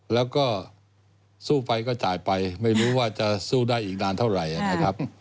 แล้วก็สู้ไปก็จ่ายไปไม่รู้ว่าจะสู้ได้อีกนานเท่าไหร่นะครับ